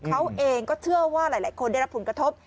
เขาเองก็เชื่อว่าหลายคนได้รับผลกระทบ